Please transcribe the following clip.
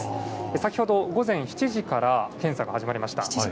先ほど午前７時から検査が始まりました。